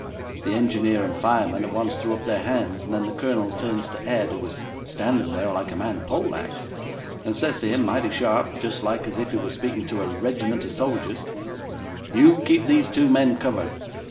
The engineer and fireman at once threw up their hands, then the Colonel turns to Ed, who was standing there like a man pole axed, and says to him mighty sharp, just like if he was speaking to a regiment of soldiers: '"You keep these two men covered.